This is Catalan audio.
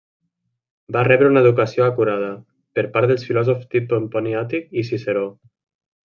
Va rebre una educació acurada, per part dels filòsofs Tit Pomponi Àtic, i Ciceró.